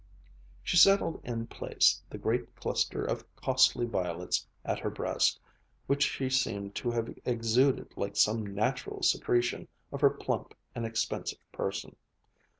She settled in place the great cluster of costly violets at her breast which she seemed to have exuded like some natural secretion of her plump and expensive person.